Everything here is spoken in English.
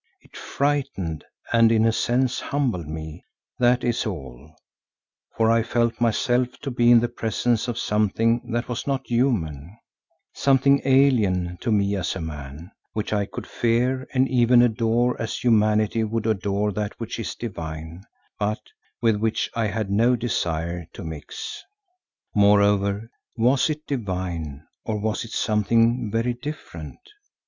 It frightened and in a sense humbled me, that is all, for I felt myself to be in the presence of something that was not human, something alien to me as a man, which I could fear and even adore as humanity would adore that which is Divine, but with which I had no desire to mix. Moreover, was it divine, or was it something very different?